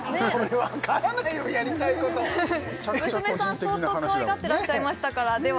相当かわいがってらっしゃいましたからでは